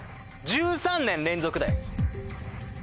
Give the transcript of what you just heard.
１３年連続だよ？